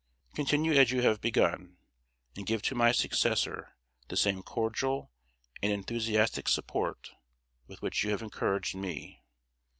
Continue as you have begun, and give to my successor the same cordial and enthusiastic support with which you have encouraged me.